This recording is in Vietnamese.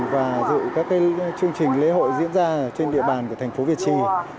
và dự các chương trình lễ hội diễn ra trên địa bàn của thành phố việt trì